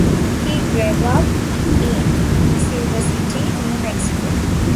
He grew up in Silver City, New Mexico.